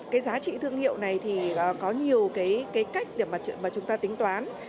cái giá trị thương hiệu này thì có nhiều cái cách để mà chúng ta tính toán